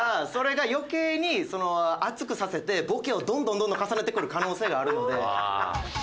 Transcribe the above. それが余計に熱くさせてボケをどんどんどんどん重ねてくる可能性があるんで。